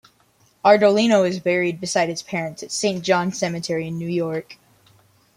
Ardolino is buried beside his parents at Saint John Cemetery in New York.